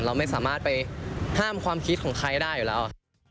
เราไม่สามารถไปห้ามความคิดของใครได้อยู่แล้ว